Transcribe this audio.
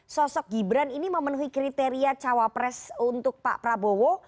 sosok gibran ini memenuhi kriteria cawapres untuk pak prabowo